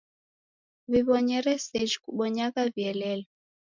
W'iw'onyere sejhi kubonyagha w'ielelwe.